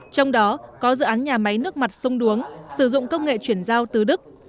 trong đó có dự án nhà máy nước mặt sông đuống sử dụng công nghệ chuyển giao từ đức